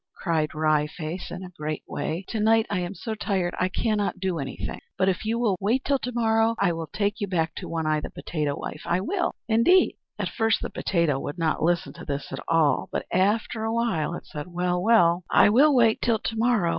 cried Wry Face, in a great way. "To night I am so tired I cannot do anything, but if you will but wait till to morrow I will take you back to One Eye, the potato wife I will, indeed!" At first the potato would not listen to this at all; but after a while it said, "Well, well, I will wait till to morrow.